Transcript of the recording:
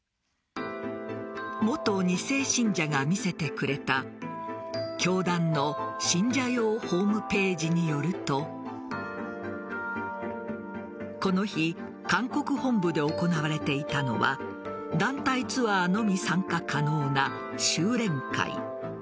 元２世信者が見せてくれた教団の信者用ホームページによるとこの日韓国本部で行われていたのは団体ツアーのみ参加可能な修錬会。